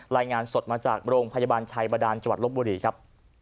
รายงานสดมาจากโรงพยาบาลชัยบาดานจังหวัดลบบุรีครับ